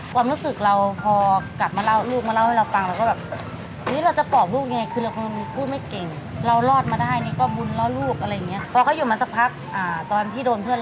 ความรู้สึกเราพอกลับมาเล่าลูกมาเล่าให้เราฟังเราก็แบบ